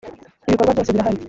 ibikorwa byose birahari.